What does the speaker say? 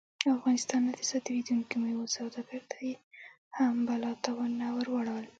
او افغانستان نه د صادرېدونکو میوو سوداګرو ته یې هم بلا تاوانونه ور واړول